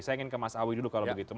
saya ingin ke mas awi dulu kalau begitu